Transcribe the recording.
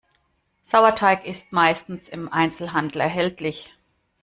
Sauerteig ist meistens im Einzelhandel erhältlich.